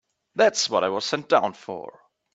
That's what I was sent down for.